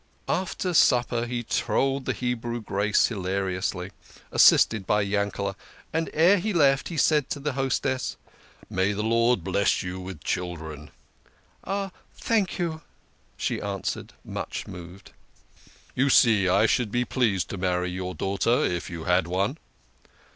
After supper he trolled the Hebrew grace hilariously, assisted by Yankele", and ere he left he said to the hostess, " May the Lord bless you with children !"" Thank you," she answered, much moved. " You see I should be so pleased to marry your daughter if you had one."